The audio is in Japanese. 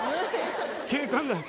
警官だよ